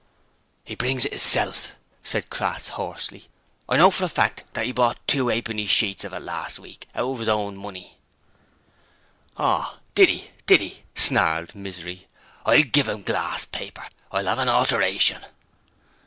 ''E brings it 'isself!' said Crass hoarsely. 'I know for a fact that 'e bought two 'a'penny sheets of it, last week out of 'is own money!' 'Oh, 'e did, did 'e?' snarled Misery. 'I'll give 'im glasspaper! I'll 'ave a Alteration!'